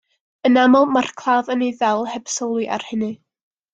Yn aml, mae'r claf yn ei ddal heb sylwi ar hynny.